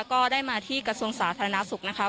ก็ได้มาที่กระทรวงสาธารณสุขนะคะ